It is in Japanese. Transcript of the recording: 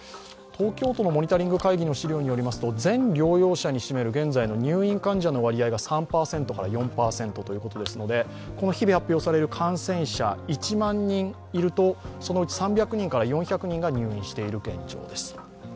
東京都のモニタリング会議の資料によりますと全療養者に占める現在の入院患者の割合が３％から４％ということですのでこの日々発表される感染者、１万人いるとそのうち３００人から４００人が入院している現状です。